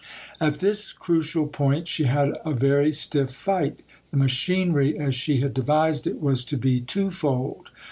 At this crucial point, she had a very stiff fight. The machinery, as she had devised it, was to be twofold.